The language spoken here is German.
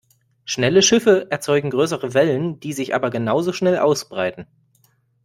Schnelle Schiffe erzeugen größere Wellen, die sich aber genau so schnell ausbreiten.